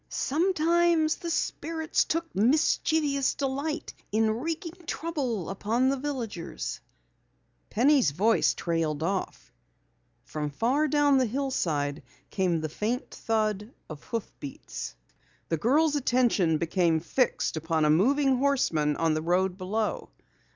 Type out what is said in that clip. Sometimes the Spirits took mischievous delight in wreaking trouble upon the villagers " Penny's voice trailed off. From far down the hillside came the faint thud of hoofbeats. The girl's attention became fixed upon a moving horseman on the road below.